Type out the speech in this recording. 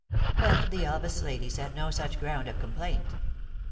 But the Elvas ladies had no such ground of complaint.